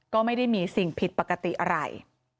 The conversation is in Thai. ก็ไม่ได้มีสิ่งผิดปกติอะไร